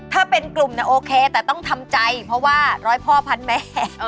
ถ้าเป็นกลุ่มเนี่ยโอเคแต่ต้องทำใจเพราะว่าร้อยพ่อพันแม่